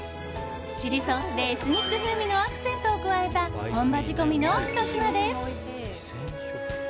チリソースでエスニック風味のアクセントを加えた本場仕込みのひと品です。